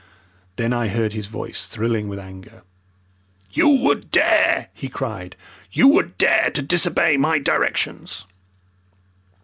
Then I heard his voice thrilling with anger. "You would dare!" he cried. "You would dare to disobey my directions!"